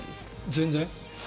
全然。